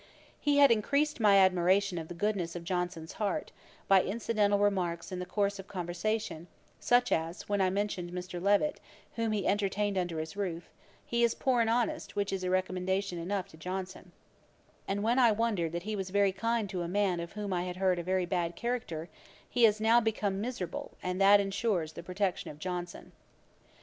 He had increased my admiration of the goodness of Johnson's heart, by incidental remarks in the course of conversation, such as, when I mentioned Mr. Levet, whom he entertained under his roof, 'He is poor and honest, which is recommendation enough to Johnson;' and when I wondered that he was very kind to a man of whom I had heard a very bad character, 'He is now become miserable, and that insures the protection of Johnson.'